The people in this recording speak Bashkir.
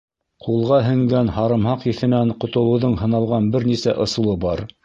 Ҡулға һеңгән һарымһаҡ еҫенән ҡотолоуҙың һыналған бер нисә ысулы бар.